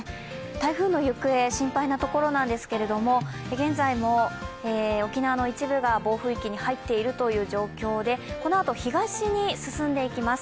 台風の行方心配なところなんですが、現在も沖縄の一部が暴風域に入っているという状況でこのあと東に進んでいきます。